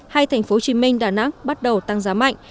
hay tp hcm đà nẵng bắt đầu tăng giá mạnh